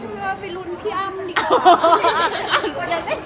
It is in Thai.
ก็จะไปหลุ้นพี่อำดิกอร์